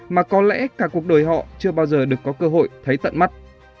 mà có lẽ cả cuộc đời họ chưa bao giờ được có cơ hội thấy tận mắt